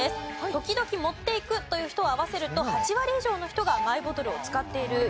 時々持っていくという人を合わせると８割以上の人がマイボトルを使っているようなんです。